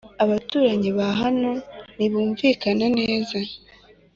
abuturanyi bahano ntibumvikana neza